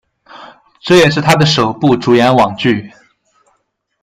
这也是他的首部主演网剧。